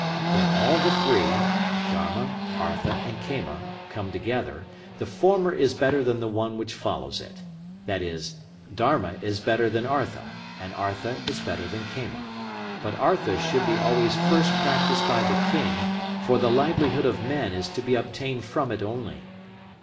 When all the three, viz., Dharma, Artha, and Kama come together, the former is better than the one which follows it, i.e., Dharma is better than Artha, and Artha is better than Kama. But Artha should be always first practised by the king, for the livelihood of men is to be obtained from it only.